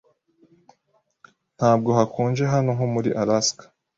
Ntabwo hakonje hano nko muri Alaska.